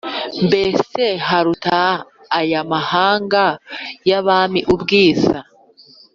Mbese haruta aya mahanga y’abami ubwiza